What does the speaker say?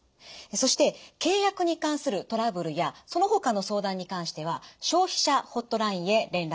そして契約に関するトラブルやそのほかの相談に関しては消費者ホットラインへ連絡してください。